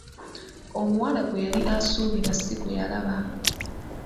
Omuwala gwe yali asuubira si gwe yalaba!